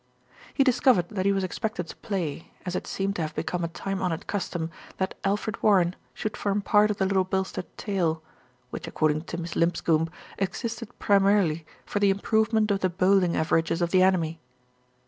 He discovered that he was expected to play, as it seemed to have become a time honoured custom that Alfred Warren should form part of the Little Bilstead "tail," which according to Miss Lipscombe existed primarily for the improvement of the bowling aver ages of the enemy.